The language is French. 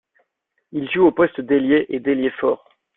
Il joue aux postes d'ailier et d'ailier fort.